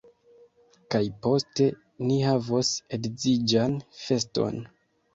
Kaj poste ni havos edziĝan feston!